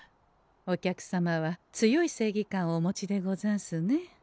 お客様は強い正義感をお持ちでござんすね。